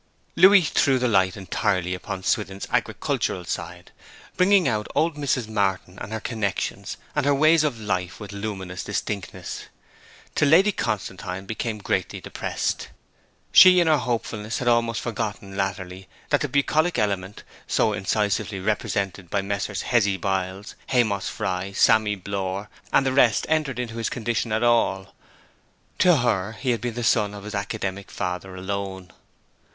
Louis threw the light entirely on Swithin's agricultural side, bringing out old Mrs. Martin and her connexions and her ways of life with luminous distinctness, till Lady Constantine became greatly depressed. She, in her hopefulness, had almost forgotten, latterly, that the bucolic element, so incisively represented by Messrs. Hezzy Biles, Haymoss Fry, Sammy Blore, and the rest entered into his condition at all; to her he had been the son of his academic father alone.